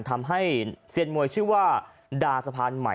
ทำให้เซียนมวยชื่อว่าดาสะพานใหม่